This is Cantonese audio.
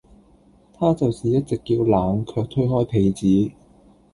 她就是一直叫冷卻推開被子